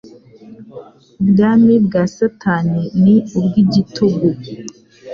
Ubwami bwa Satani ni ubw'igitugu.